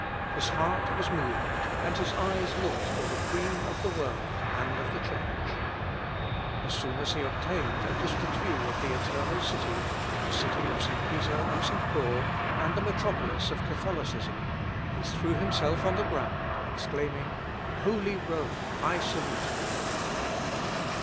His heart was moved, and his eyes looked for the queen of the world, and of the Church. As soon as he obtained a distant view of the eternal city, the city of St. Peter and St. Paul, and the metropolis of Catholicism, he threw himself on the ground, exclaiming, "Holy Rome, I salute thee."